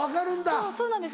そうそうなんです。